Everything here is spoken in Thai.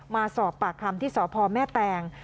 มาสอบปากคำที่สพแม่แตง